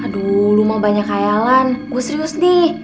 aduh lu mau banyak khayalan gua serius nih